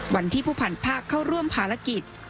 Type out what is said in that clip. วันที่ผู้พันภาคเข้าร่วมภารกิจ